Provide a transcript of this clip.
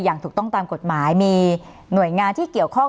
อย่างถูกต้องตามกฎหมายมีหน่วยงานที่เกี่ยวข้อง